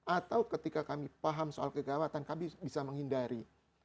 atau ketika kami paham soal kegawatan kami bisa menghindari